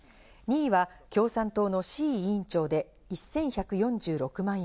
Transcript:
２位は共産党の志位委員長で１１４６万円。